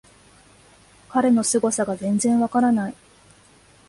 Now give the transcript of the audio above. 彼のすごさが全然わからない